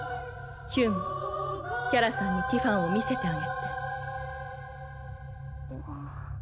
ヒュンキャラさんにティファンを見せてあげて。